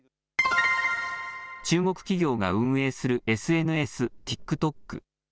中国企業が運営するＳＮＳ、ＴｉｋＴｏｋ。